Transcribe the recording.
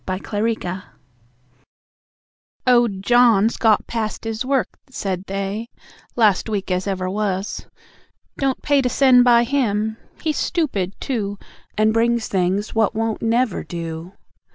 The Carrier "Owd John's got past his work," said they, Last week as ever was "don't pay To send by him. He's stoopid, too, And brings things what won't never do.